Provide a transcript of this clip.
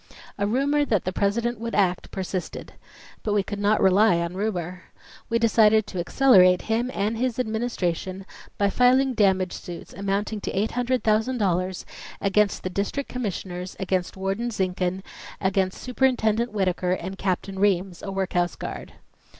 A rumor that the President would act persisted. But we could not rely on rumor. We decided to accelerate him and his Administration by filing damage suits amounting to $800,000 against the District Commissioners, against Warden Zinkhan, against Superintendent Whittaker and Captain Reams, a workhouse guard.